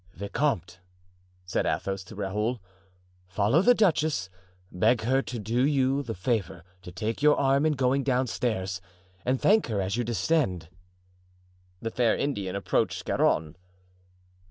"Vicomte," said Athos to Raoul, "follow the duchess; beg her to do you the favor to take your arm in going downstairs, and thank her as you descend." The fair Indian approached Scarron.